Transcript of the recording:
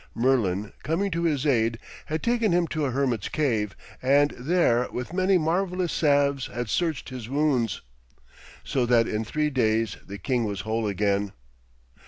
Merlin, coming to his aid, had taken him to a hermit's cave, and there with many marvellous salves had searched his wounds, so that in three days the king was whole again.